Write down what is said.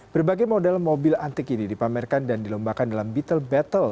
berbagai model mobil antik ini dipamerkan dan dilombakan dalam beettle battle